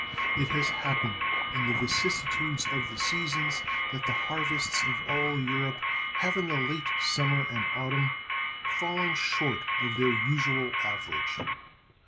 It has happened in the vicissitudes of the seasons that the harvests of all Europe have in the late summer and autumn fallen short of their usual average.